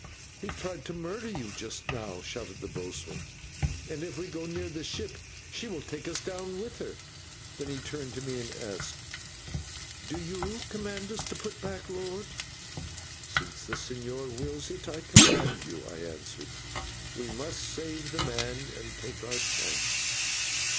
"He tried to murder you just now," shouted the boatswain, "and if we go near the ship, she will take us down with her." Then he turned to me and asked, "Do you command us to put back, lord?" "Since the señor wills it, I command you," I answered. "We must save the man and take our chance."